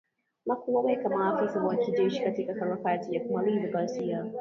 na kuwaweka maafisa wa kijeshi katika harakati za kumaliza ghasia